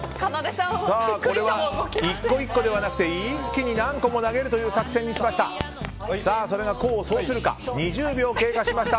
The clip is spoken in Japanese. これは１個１個ではなくて一気に何個も投げるという作戦にしました。